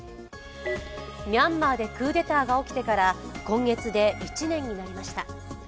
ミャンマーでクーデターが起きてから今月で１年になりました。